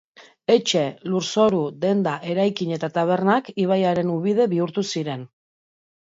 Etxe, lurzoru, denda, eraikin eta tabernak ibaiaren ubide bihurtu ziren.